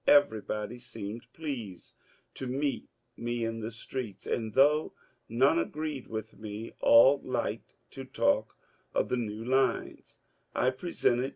Everybody seemed pleased to meet me in the streets, and though none agreed with me all liked to talk of the new lines I presented.